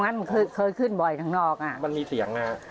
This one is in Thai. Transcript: มันเคยเคยเคิ่งบ่อยทางนอกน่ะมันมีเสียงงาน